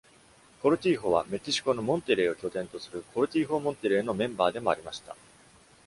コルティーホは、メキシコのモンテレーを拠点とするコルティーホ・モンテレーのメンバーでもありました。